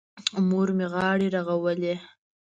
مور مې غاړې رغولې.